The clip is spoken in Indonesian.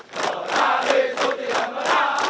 merah di suti dan merah